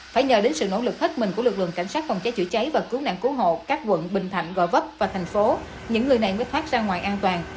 phải nhờ đến sự nỗ lực hết mình của lực lượng cảnh sát phòng cháy chữa cháy và cứu nạn cứu hộ các quận bình thạnh gò vấp và thành phố những người này mới thoát ra ngoài an toàn